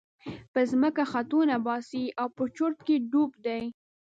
په ځمکه خطونه باسي او په چورت کې ډوب دی.